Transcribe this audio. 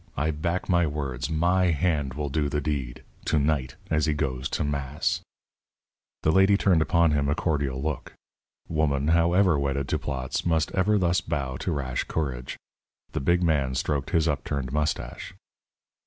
I back my words. My hand will do the deed. To night, as he goes to mass." The lady turned upon him a cordial look. Woman, however wedded to plots, must ever thus bow to rash courage. The big man stroked his upturned moustache.